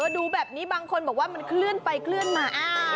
ดูแบบนี้บางคนบอกว่ามันเคลื่อนไปเคลื่อนมา